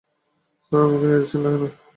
Sir, আমাকে নিয়ে যাচ্ছেন কেন?